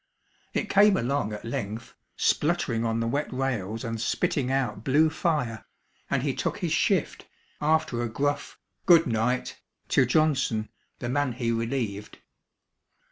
It came along at length, spluttering on the wet rails and spitting out blue fire, and he took his shift after a gruff "Good night" to Johnson, the man he relieved.